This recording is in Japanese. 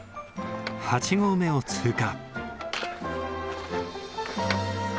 ８合目を通過。